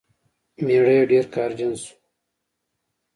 میړه یې ډیر قهرجن شو.